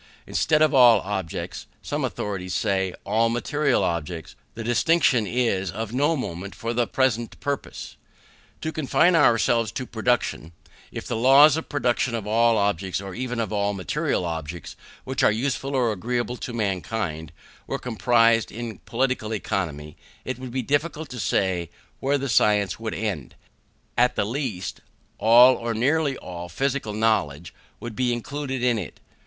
Instead of all objects, some authorities say, all material objects: the distinction is of no moment for the present purpose. To confine ourselves to production: If the laws of the production of all objects, or even of all material objects, which are useful or agreeable to mankind, were comprised in Political Economy, it would be difficult to say where the science would end: at the least, all or nearly all physical knowledge would be included in it.